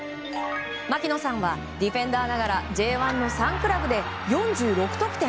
槇野さんはディフェンダーながらＪ１の３クラブで４６得点！